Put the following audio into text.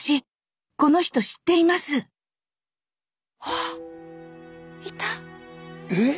あっいた！